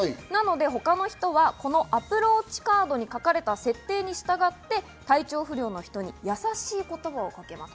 他の人はこのアプローチカードに書かれた設定に従って体調不良の人にやさしい言葉をかけます。